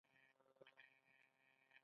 چهار اسیاب ولسوالۍ کابل ته نږدې ده؟